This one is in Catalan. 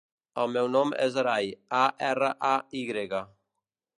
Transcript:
El meu nom és Aray: a, erra, a, i grega.